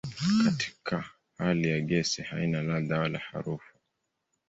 Katika hali ya gesi haina ladha wala harufu.